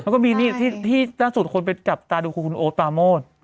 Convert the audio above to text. แล้วก็มีนี่ที่ล่าสุดคนไปจับตาดูคือคุณโอ๊ตปาโมด